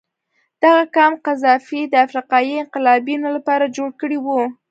دغه کمپ قذافي د افریقایي انقلابینو لپاره جوړ کړی و.